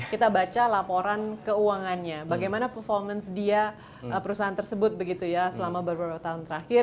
kita baca laporan keuangannya bagaimana performance dia perusahaan tersebut begitu ya selama beberapa tahun terakhir